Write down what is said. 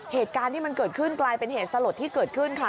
เหตุการณ์ที่มันเกิดขึ้นกลายเป็นเหตุสลดที่เกิดขึ้นค่ะ